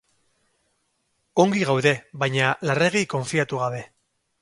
Ongi gaude, baina larregi konfiatu gabe.